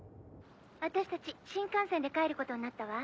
私たち新幹線で帰ることになったわ。